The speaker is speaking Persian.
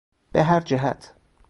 به هر جهت